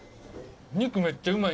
肉めっちゃうまい。